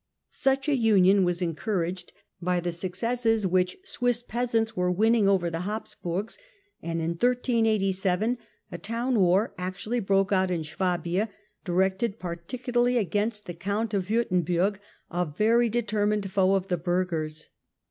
^''^^'"^ Such a union was encouraged by the successes which Swiss peasants were winning over the Habsburgs, and in 1387 a town war actually broke out in Swabia, directed particularly against the Count of Wiirtemburg, a very determined foe of the burghers.